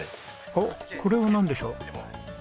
おっこれはなんでしょう？